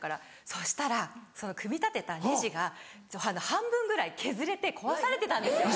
そしたらその組み立てたネジが半分ぐらい削れて壊されてたんですよ。